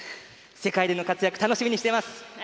世界での活躍楽しみにしています。